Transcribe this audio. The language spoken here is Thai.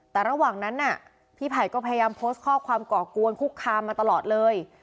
แต่ระหว่างนั้นน่ะพี่ไผ่ก็พยายามโพสต์ข้อความก่อกวนคุกคามมาตลอดเลย